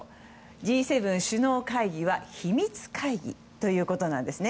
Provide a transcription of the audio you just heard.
Ｇ７首脳会議は秘密会議ということなんですね。